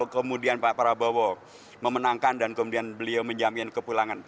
kemudian pak prabowo memenangkan dan kemudian beliau menjamin kepulangan